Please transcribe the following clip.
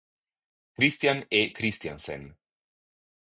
Christian E. Christiansen